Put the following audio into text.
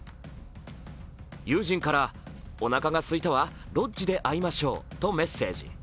友人からおなかがすいたわ、ロッジで会いましょうとメッセージ。